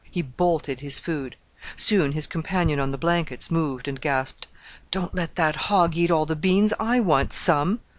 He bolted his food. Soon his companion on the blankets moved, and gasped, "Don't let that hog eat all the beans; I want some."